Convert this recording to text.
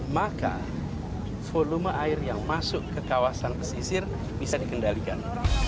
maka volume air yang masuk ke kawasan pesisir bisa dikendalikan